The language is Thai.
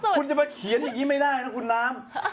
คุณจะมาเขียนอย่างนี้ไม่ได้นะคุณน้ำ